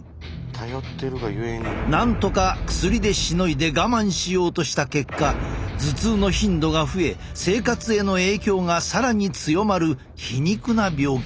なんとか薬でしのいで我慢しようとした結果頭痛の頻度が増え生活への影響が更に強まる皮肉な病気だ。